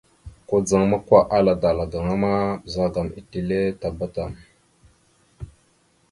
Kudzaŋ ma, kwa, ala dala gaŋa ma, ɓəzagaam etelle tabá tam.